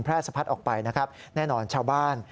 สะพัดออกไปนะครับแน่นอนชาวบ้าน